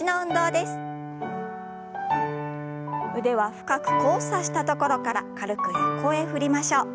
腕は深く交差したところから軽く横へ振りましょう。